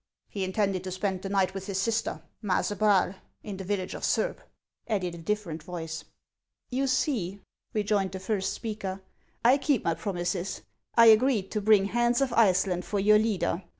" He intended to spend the night with his sister, Maase Braal, in the village of Surb," added a different voice. " You see," rejoined the first speaker, " I keep my promises. I agreed to bring Hans of Iceland for your leader.